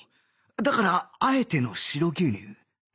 だからあえての白牛乳